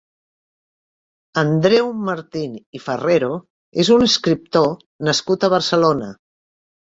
Andreu Martín i Farrero és un escriptor nascut a Barcelona.